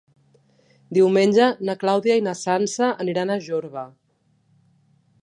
Diumenge na Clàudia i na Sança aniran a Jorba.